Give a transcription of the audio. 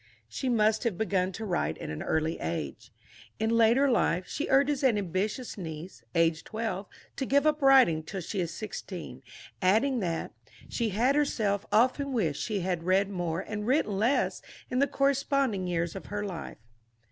She must have begun to write at an early age. In later life, she urges an ambitious niece, aged twelve, to give up writing till she is sixteen, adding that "she had herself often wished she had read more and written less in the corresponding years of her life."